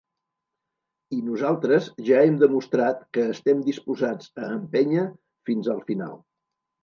I nosaltres ja hem demostrat que estem disposats a empènyer fins al final.